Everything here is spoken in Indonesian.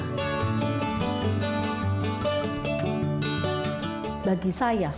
bagi saya sukses itu adalah kemampuan